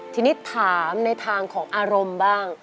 ทีนี้ถามในทางของอารมณ์บ้าง